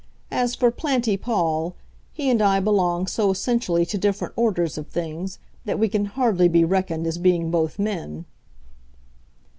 As for Planty Pall, he and I belong so essentially to different orders of things, that we can hardly be reckoned as being both men."